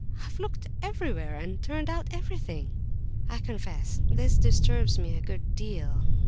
"I've looked everywhere, and turned out everything." "I confess this disturbs me a good deal.